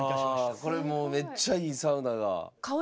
いやこれもうめっちゃいいサウナが。